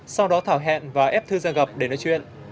sau đó thảo hẹn và ép thư ra gặp để nói chuyện